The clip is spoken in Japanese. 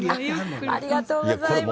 ありがとうございます。